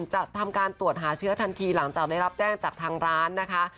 จะทำการตรวจหาเชื้อทันทีหลังจากได้รับแจ้งจากทางร้านนะคะ